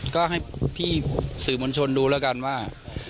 ก็ให้พี่สื่อมวลชนดูแล้วกันว่า